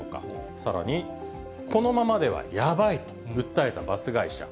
さらに、このままではヤバいと訴えたバス会社。